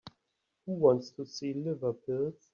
Who wants to see liver pills?